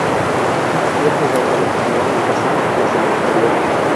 Había jugado en un torneo en Kazán la semana anterior.